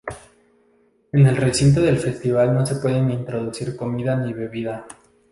En el recinto del festival no se puede introducir comida ni bebida.